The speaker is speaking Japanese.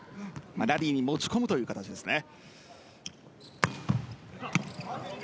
ラリーに持ち込むという形ですね。